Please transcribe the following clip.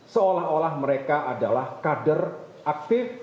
seolah olah mereka adalah kader aktif